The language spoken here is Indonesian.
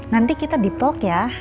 nanti kita dipalk ya